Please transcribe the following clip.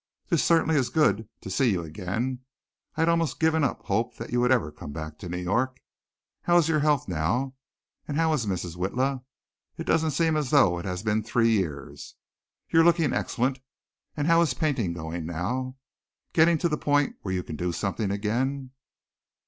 "This certainly is good, to see you again. I had almost given up hope that you would ever come back to New York. How is your health now? And how is Mrs. Witla? It doesn't seem as though it had been three years. You're looking excellent. And how is painting going now? Getting to the point where you can do something again?"